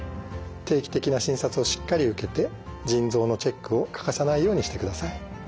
定期的な診察をしっかり受けて腎臓のチェックを欠かさないようにしてください。